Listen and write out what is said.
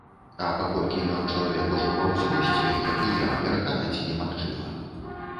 А паколькі ён чалавек ужо ва ўзросце, як і я, пераканаць немагчыма.